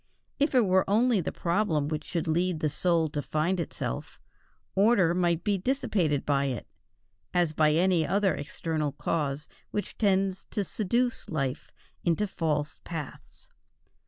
If it were only the problem which should lead the soul to find itself, order might be dissipated by it, as by any other external cause which tends to seduce life into false paths.